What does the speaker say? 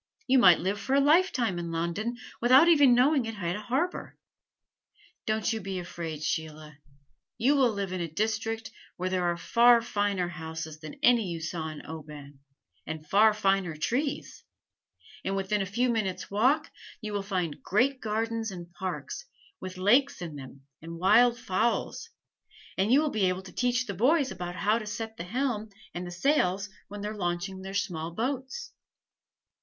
You might live for a lifetime in London without ever knowing it had a harbor. Don't you be afraid, Sheila. You will live in a district where there are far finer houses than any you saw in Oban, and far finer trees; and within a few minutes' walk you will find great gardens and parks, with lakes in them and wild fowls, and you will be able to teach the boys about how to set the helm and the sails when they are launching their small boats."